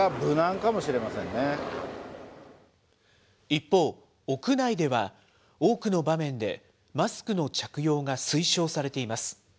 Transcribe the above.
一方、屋内では、多くの場面でマスクの着用が推奨されています。